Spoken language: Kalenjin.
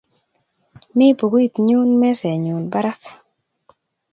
Mi pukuit nyu mesennyu parak.